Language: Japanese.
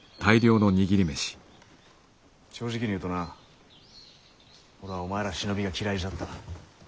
正直に言うとな俺はお前ら忍びが嫌いじゃった。